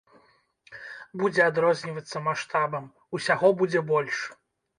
Будзе адрознівацца маштабам, усяго будзе больш.